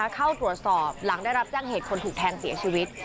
เข้าตรวจสอบหลังได้รับแจ้งเหตุคนถูกแทงเสียชีวิต